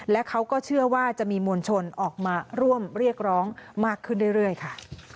และเขาก็เชื่อว่าจะมีมวลชนออกมาร่วมเรียกร้องมากขึ้นเรื่อยค่ะ